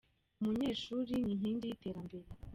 Umunyeshuri ni inkingi y'iterambere.